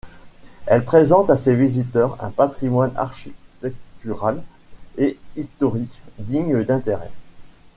Elle présente à ses visiteurs un patrimoine architectural et historique digne d'intérêt.